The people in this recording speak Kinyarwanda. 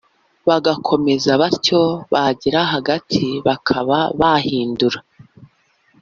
bagakomeza batyo, bagera hagati bakaba bahindura